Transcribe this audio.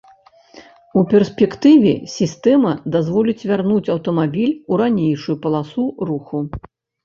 У перспектыве сістэма дазволіць вярнуць аўтамабіль у ранейшую паласу руху.